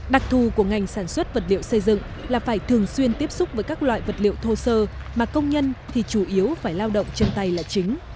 đặc thù của ngành sản xuất vật liệu xây dựng là phải thường xuyên tiếp xúc với các loại vật liệu thô sơ mà công nhân thì chủ yếu phải lao động chân tay là chính